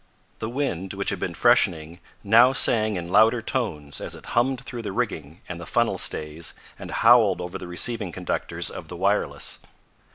The wind, which had been freshening, now sang in louder tones as it hummed through the rigging and the funnel stays and bowled over the receiving conductors of the wireless.